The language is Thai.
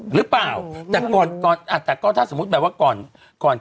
หรือเปล่าแต่ก่อนก่อนแต่ก็ถ้าสมมุติแบบว่าก่อนก่อน